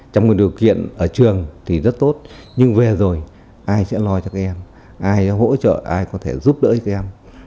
trong một điều kiện ở trường thì rất tốt nhưng về rồi ai sẽ lo cho các em ai hỗ trợ ai có thể giúp đỡ các em